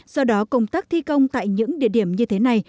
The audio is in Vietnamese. do đó công tác thi công tại những địa điểm như thế này